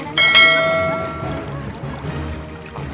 di sekitar amitonon ini